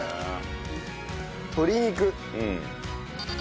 鶏肉。